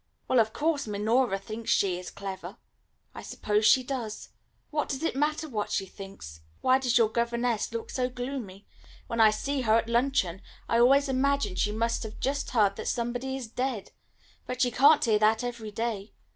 "Well, of course, Minora thinks she is clever." "I suppose she does. What does it matter what she thinks? Why does your governess look so gloomy? When I see her at luncheon I always imagine she must have just heard that somebody is dead. But she can't hear that every day.